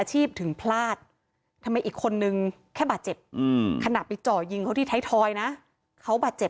แต่ละคนถือสิทธิ์เท่าไหร่